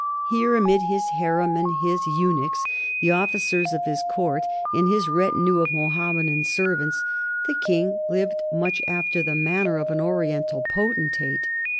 Here, amid his harem and his eunuchs, the officers of his court and his retinue of Mohammedan servants, the king lived much after the manner of an Oriental potentate.